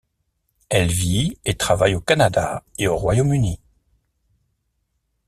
Elle vit et travaille au Canada et au Royaume-Uni.